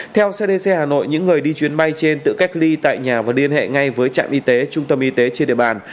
theo cdc hà nội những người đi chuyến bay trên tự cách ly tại nhà và liên hệ ngay với trạm y tế trung tâm y tế trên địa bàn